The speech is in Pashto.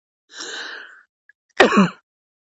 انګلیسان په هندوستان کې یو سیمه ایز قوت شو.